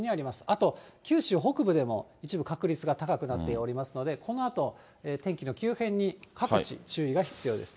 あと九州北部でも一部、確率が高くなっておりますので、このあと、天気の急変に各地、注意が必要です。